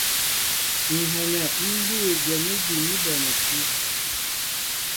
Ŋ̀ hɛnɛ ḿ bîy gwɛ̌m ígi ni bɔnɛkí.